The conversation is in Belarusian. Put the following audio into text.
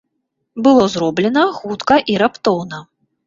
Было зроблена хутка і раптоўна.